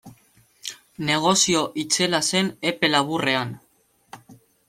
Negozio itzela zen epe laburrean.